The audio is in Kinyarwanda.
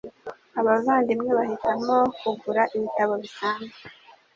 Abavandimwe bahitagamo kugura ibitabo bisanzwe